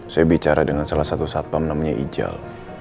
saya bicara dengan salah satu satpam namanya ijal